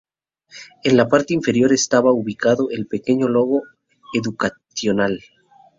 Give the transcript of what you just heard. En la parte inferior estaba ubicado el pequeño logo de Educational.